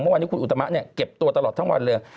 เมื่อวานนี้คุณอุตมะเนี่ยเก็บตัวตลอดทั้งวันเลย